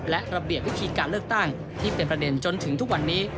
และระเบียบวิธีการเลือกตั้งที่เป็นประเด็นจนถึงทุกวันนี้